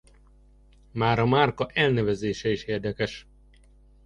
Már a márka elnevezése is érdekes.